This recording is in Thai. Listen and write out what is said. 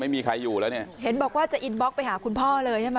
ไม่มีใครอยู่แล้วเนี่ยเห็นบอกว่าจะอินบล็อกไปหาคุณพ่อเลยใช่ไหม